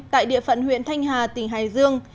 tại địa phận huyện thanh hà tỉnh hải dương